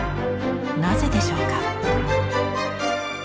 なぜでしょうか。